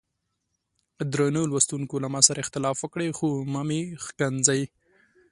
درنو لوستونکو له ما سره اختلاف وکړئ خو مه مې ښکنځئ.